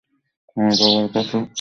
আমার বাবার কাছে।